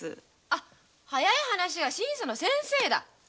あっ早い話が審査の先生だ。